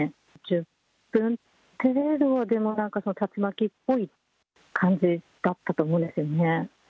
１０分程度はでも、なんか竜巻っぽい感じだったと思うんですよね。